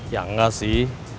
ya enggak sih